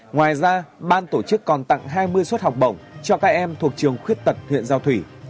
ngoài ra ban tổ chức còn tặng hai mươi suất học bổng cho các em thuộc trường khuyết tật huyện giao thủy